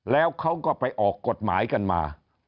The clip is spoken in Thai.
แล้วเขาก็ไปออกกฎหมายกันมา